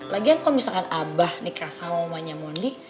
lagian kalau misalkan abah nikah sama mamanya mondi